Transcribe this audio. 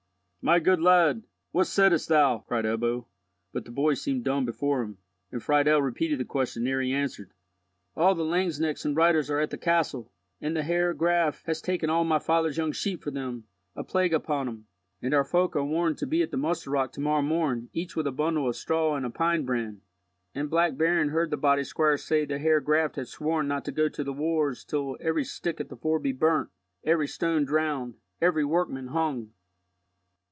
"My good lad! What saidst thou?" cried Ebbo, but the boy seemed dumb before him, and Friedel repeated the question ere he answered: "All the lanzknechts and reiters are at the castle, and the Herr Graf has taken all my father's young sheep for them, a plague upon him. And our folk are warned to be at the muster rock to morrow morn, each with a bundle of straw and a pine brand; and Black Berend heard the body squire say the Herr Graf had sworn not to go to the wars till every stick at the ford be burnt, every stone drowned, every workman hung."